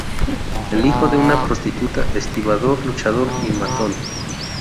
El hijo de una prostituta, estibador, luchador y matón.